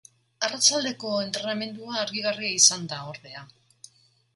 Arratsaldeko entrenamendua argigarria izan da, ordea.